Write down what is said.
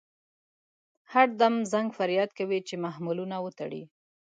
هر دم زنګ فریاد کوي چې محملونه وتړئ.